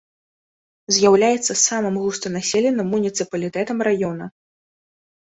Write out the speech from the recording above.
З'яўляецца самым густанаселеным муніцыпалітэтам раёна.